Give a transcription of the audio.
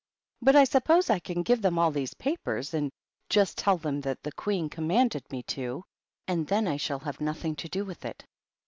But I suppose I can give them all these papers, and just tell them that the Queens commanded me to, and then I shall have nothing to do with it."